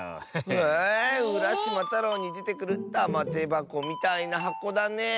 えうらしまたろうにでてくるたまてばこみたいなはこだねえ。